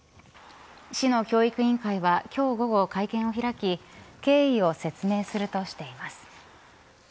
市の教育委員会は今日午後会見を開き経緯を説明するとしています。